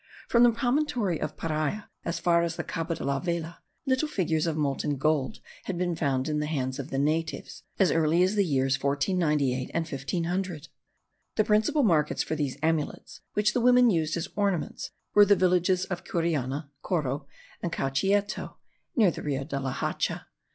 From the promontory of Paria, as far as Cabo de la Vela, little figures of molten gold had been found in the hands of the natives, as early as the years 1498 and 1500. The principal markets for these amulets, which the women used as ornaments, were the villages of Curiana (Coro) and Cauchieto (Near the Rio la Hacha).